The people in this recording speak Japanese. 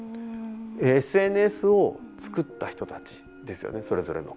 ＳＮＳを作った人たちですよねそれぞれの。